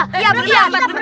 berempat kita berempat